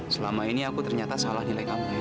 selama ini aku ternyata salah nilai kamu ya